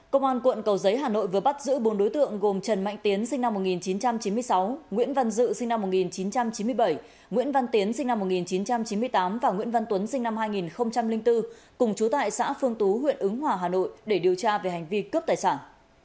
công an quận cầu giấy hà nội vừa bắt giữ bốn đối tượng gồm trần mạnh tiến sinh năm một nghìn chín trăm chín mươi sáu nguyễn văn dự sinh năm một nghìn chín trăm chín mươi bảy nguyễn văn tiến sinh năm một nghìn chín trăm chín mươi tám và nguyễn văn tuấn sinh năm hai nghìn bốn cùng chú tại xã phương tú huyện ứng hòa hà nội để điều tra về hành vi cướp tài sản